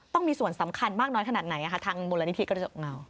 ต้องมีส่วนสำคัญมากน้อยขนาดไหนทางมูลนิธิกระจกเงา